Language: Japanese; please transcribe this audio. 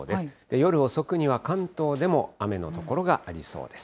夜遅くには、関東でも雨の所がありそうです。